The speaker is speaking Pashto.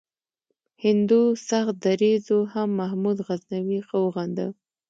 هندو سخت دریځو هم محمود غزنوي ښه وغنده.